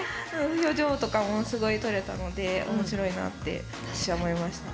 表情とかもすごい撮れたので面白いなって私は思いました。